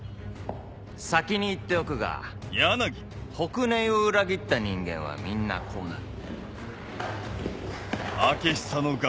先に言っておくが北根壊を裏切った人間はみんなこうなる。